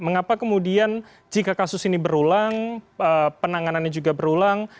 mengapa kemudian jika kasus ini berulang penanganannya juga berulang